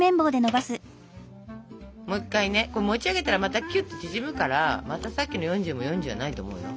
もう一回ねこれ持ち上げたらまたきゅっと縮むからまたさっきの４０も４０じゃないと思うよ。